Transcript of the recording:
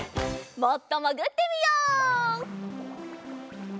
もっともぐってみよう。